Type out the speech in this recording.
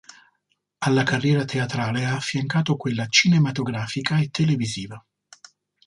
Alla carriera teatrale ha affiancato quella cinematografica e televisiva.